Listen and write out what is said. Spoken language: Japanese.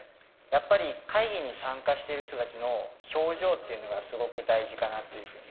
やっぱり会議に参加してる人たちの表情っていうのがすごく大事かなっていうふうに思います。